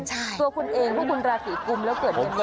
ตัวคุณเองว่าคุณราศิกรุมแล้วเกิดเดือนมีนา